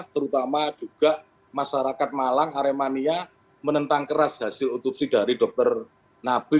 terutama juga masyarakat malang aremania menentang keras hasil utupsi dari dr nabil